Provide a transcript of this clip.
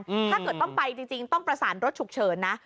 ถ้าเกิดต้องไปจริงจริงต้องประสานรถฉุกเฉินนะ